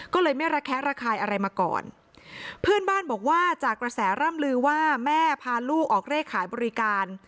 ก็เลยไม่ระแคะระคายอะไรมาก่อนเพื่อนบ้านบอกว่าจากกระแสร่ำลือว่าแม่พาลูกออกเลขขายบริการ